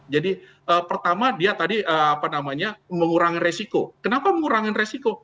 jadi pertama dia tadi mengurangi resiko kenapa mengurangi resiko